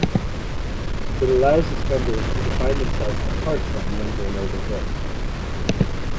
It allows its members to define themselves apart from younger and older girls.